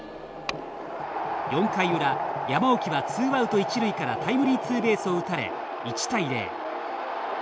４回裏、山沖はツーアウト一塁からタイムリーツーベースを打たれ１対０。